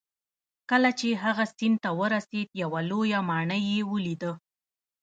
کله چې هغه سیند ته ورسید یوه لویه ماڼۍ یې ولیده.